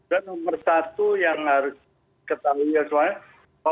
dan nomor satu yang harus ketahui soalnya